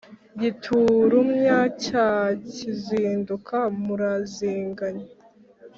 Giturumbya cya Kizinduka, murazinganya.